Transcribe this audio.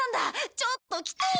ちょっと来てよ！